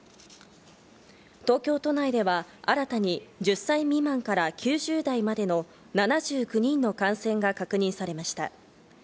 東京都内では新たに１０歳未満から９０代までの７９人の感染が確認されました。